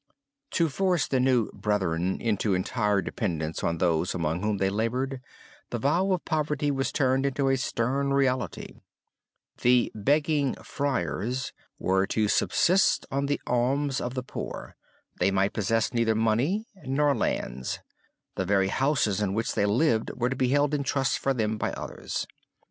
To force the new 'brethren' into entire dependence on those among whom they labored the vow of Poverty was turned into a stern reality; the 'Begging Friars' were to subsist on the alms of the poor, they might possess neither money nor lands, the very houses in which they lived were to be held in trust for them by others.